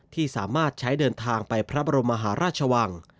ที่สามารถใช้เดินทางไปพระบรมมหาราชวัง